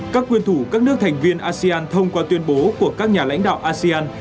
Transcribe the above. các nguyên thủ các nước thành viên asean thông qua tuyên bố của các nhà lãnh đạo asean